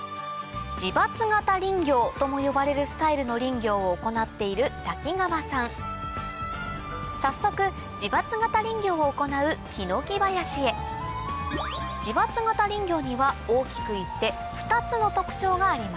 自伐型林業とも呼ばれるスタイルの林業を行っている早速自伐型林業を行うヒノキ林へ自伐型林業には大きくいって２つの特徴があります